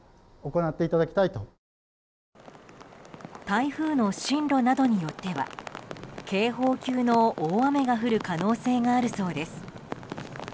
台風の進路などによっては警報級の大雨が降る可能性があるそうです。